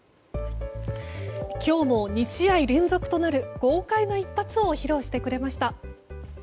今日も２試合連続となる豪快な一発を披露してくれました。